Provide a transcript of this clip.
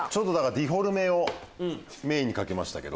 デフォルメをメインに描きました。